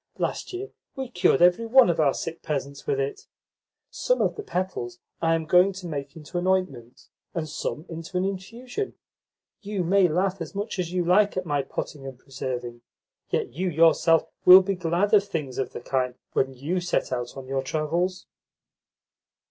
Last year we cured every one of our sick peasants with it. Some of the petals I am going to make into an ointment, and some into an infusion. You may laugh as much as you like at my potting and preserving, yet you yourself will be glad of things of the kind when you set out on your travels."